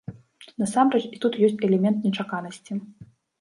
Насамрэч, і тут ёсць элемент нечаканасці.